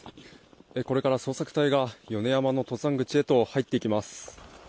これから捜索隊が米山の登山口へと入っていきます。